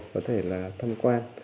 có thể là thăm quan